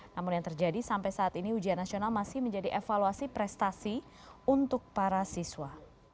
namun yang terjadi sampai saat ini ujian nasional masih menjadi evaluasi prestasi untuk para siswa